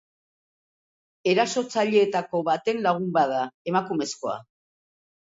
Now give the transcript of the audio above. Erasotzaileetako baten lagun bat da, emakumezkoa.